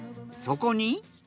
そこに。